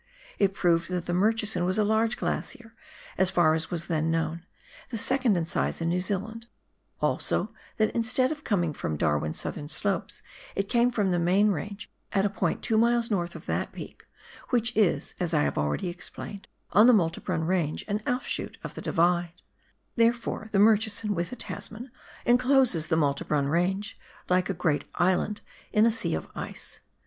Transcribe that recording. It proved that the Murchison was a large glacier, as far as was then known, the second in size in New Zealand ; also, that instead of coming from Mount Darwin's southern slopes, it came from the main range at a point two miles north of that peak, which is, as I have already explained, on the Malte Brim Range, an offshoot of the Divide, Therefore, the Murchison, with the Tasman, encloses the Malte Brun Range, like a great island in a sea of ice.